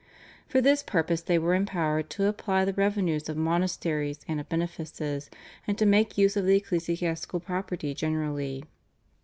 For this purpose they were empowered to apply the revenues of monasteries, and of benefices, and to make use of the ecclesiastical property generally.